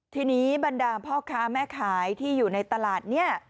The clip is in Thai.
ทีนี้บรรดาพ่อค้าแม่ขายที่อยู่ในตลาดเนี่ย